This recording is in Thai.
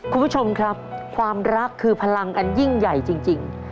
คุณผู้ชมครับความรักคือพลังอันยิ่งใหญ่จริง